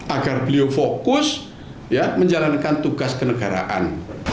agar beliau fokus menjalankan tugas kenegaraan